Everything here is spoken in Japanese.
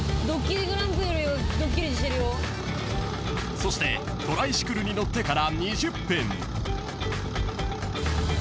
［そしてトライシクルに乗ってから］